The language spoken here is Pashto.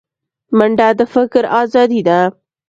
منډه د فکر ازادي ده